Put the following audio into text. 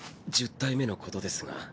１０体目のことですが。